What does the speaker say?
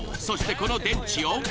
そしてこの電池を。